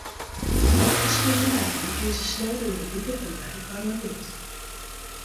De Spanjaarden kieze snein oer in wike in nij parlemint.